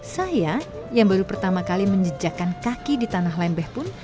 saya yang baru pertama kali menjejakan kaki di tanah lembeh pun